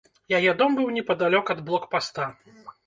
Яе дом быў непадалёк ад блокпаста.